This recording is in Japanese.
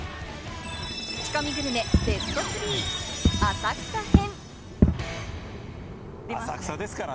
クチコミグルメ、ベスト３・浅草編。